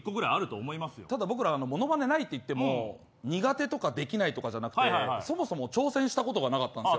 ただ僕ら、物まねないと言っても苦手とかできないとかじゃなくてそもそも挑戦したことがなかったんですよ。